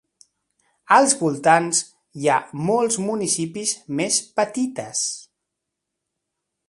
Als voltants hi ha molts municipis més petites.